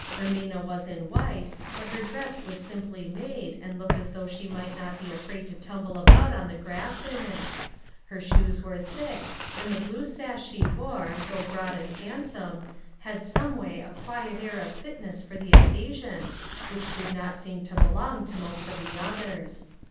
Ermina was in white, but her dress was simply made, and looked as though she might not be afraid to tumble about on the grass in it ; her shoes were thick, and the blue sash she wore, though broad and handsome, had some way a quiet air of fitness for the occasion, which did not seem to belong to most of the others.